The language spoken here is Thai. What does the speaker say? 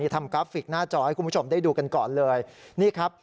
กราฟิกหน้าจอให้คุณผู้ชมได้ดูกันก่อนเลยนี่ครับ